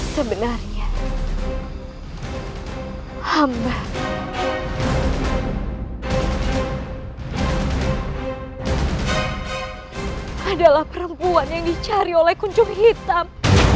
sebenarnya hamba adalah perempuan yang dicari oleh kuncung hitam